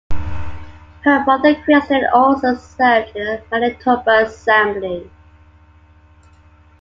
Her brother Christian also served in the Manitoba assembly.